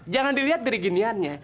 jangan diliat dari giniannya